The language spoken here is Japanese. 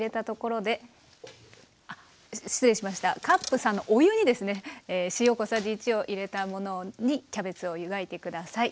カップ３のお湯に塩小さじ１を入れたものにキャベツを湯がいて下さい。